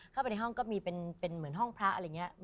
เข้าไปในห้องก็มีเป็นเหมือนห้องพระอะไรอย่างนี้